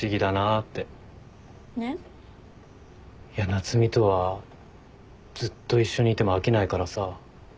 夏海とはずっと一緒にいても飽きないからさ。